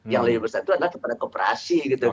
yang lebih besar itu adalah kepada koperasi